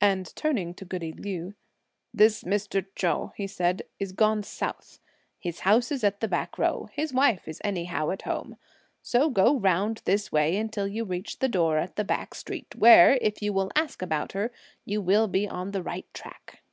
and turning to goody Liu: "This Mr. Chou," he said, "is gone south: his house is at the back row; his wife is anyhow at home; so go round this way, until you reach the door, at the back street, where, if you will ask about her, you will be on the right track."